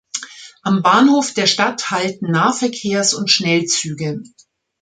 Am Bahnhof der Stadt halten Nahverkehrs- und Schnellzüge.